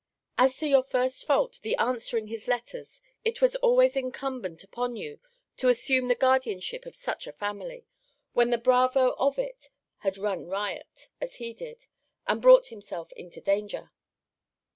As to your first fault, the answering his letters; it was always incumbent upon you to assume the guardianship of such a family, when the bravo of it had run riot, as he did, and brought himself into danger.